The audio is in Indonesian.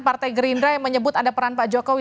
partai gerindra yang menyebut ada peran pak jokowi